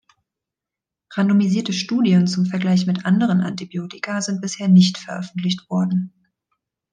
Randomisierte Studien zum Vergleich mit anderen Antibiotika sind bisher nicht veröffentlicht worden.